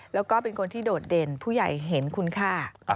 แล้วก็เป็นคนที่โดดเด่นผู้ใหญ่เห็นคุณค่า